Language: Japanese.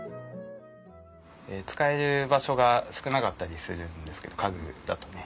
使える場所が少なかったりするんですけど家具だとね。